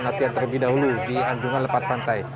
latihan terlebih dahulu di anjungan lepas pantai